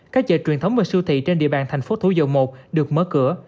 các chợ truyền thống và siêu thị trên địa bàn thành phố thủ dầu một được mở cửa